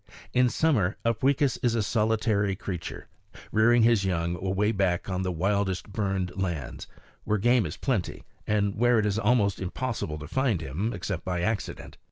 In summer Upweekis is a solitary creature, rearing his young away back on the wildest burned lands, where game is plenty and where it is almost impossible to find him except by accident.